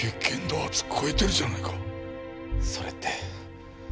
それって。